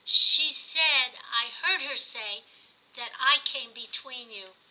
* She said — I heard her say — that I came between you.